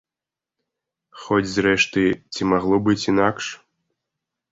Хоць зрэшты, ці магло быць інакш?